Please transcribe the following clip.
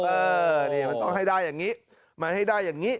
เออนี่มันต้องให้ได้อย่างนี้มันให้ได้อย่างนี้